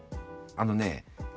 あのね